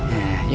yaudah sini ya